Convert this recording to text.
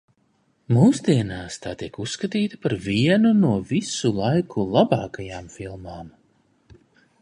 Mūsdienās tā tiek uzskatīta par vienu no visu laiku labākajām filmām.